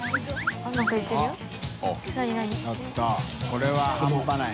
これは半端ない。